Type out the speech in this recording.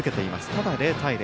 ただ０対０。